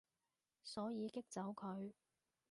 所以激走佢